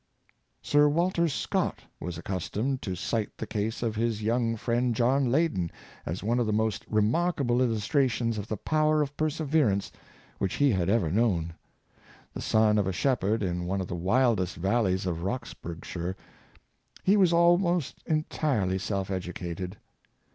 Sir Walter Scott was accustomed to cite the case of his young friend John Leyden as one of the most re markable illustrations of the power of perseverance which he had ever known. The son of a shepherd in one of the wildest valleys in Roxburgshire, he was al most entirely self educated.